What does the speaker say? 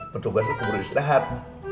petugas itu mau istirahat